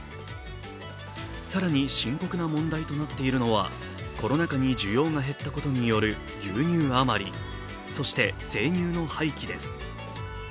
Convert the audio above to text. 更に深刻な問題となっているのは、コロナ禍に需要が減ったことによる牛乳余り、そして、生乳の廃棄です。